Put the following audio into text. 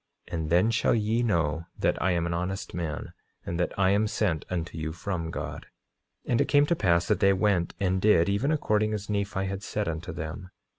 And then shall ye know that I am an honest man, and that I am sent unto you from God. 9:37 And it came to pass that they went and did, even according as Nephi had said unto them.